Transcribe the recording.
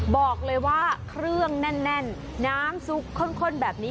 บอกเลยว่าเครื่องแน่นน้ำซุปข้นแบบนี้